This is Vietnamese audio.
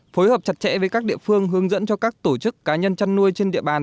phối hợp chặt chẽ với các địa phương hướng dẫn cho các tổ chức cá nhân chăn nuôi trên địa bàn